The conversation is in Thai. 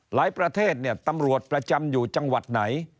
หลายประเทศตำรวจประจำอยู่จังหวัดไหน